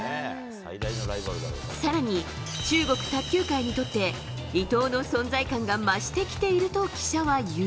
更に、中国卓球界にとって伊藤の存在感が増してきていると記者は言う。